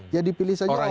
ya dipilih saja orang orang